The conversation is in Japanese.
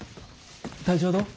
体調はどう？